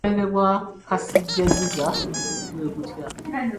Omwenge ogwa kasijjagiza gwe gutya?